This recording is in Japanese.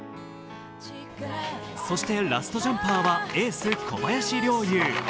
そしてラストジャンパーはエース・小林陵侑。